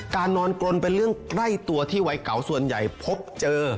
นอนกรนเป็นเรื่องใกล้ตัวที่วัยเก่าส่วนใหญ่พบเจอ